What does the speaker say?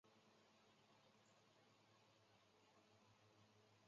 瓦利亚野山羊是衣索比亚国家足球队的象征。